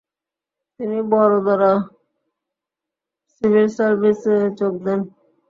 তিনি বড়োদরা সিভিল সার্ভিসে যোগ দেন।